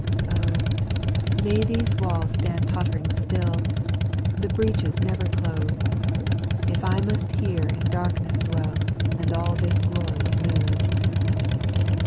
7. Oh ! may these walls stand tottering still, The breaches never close, If I must here in darkness dwell, And all this glory lose.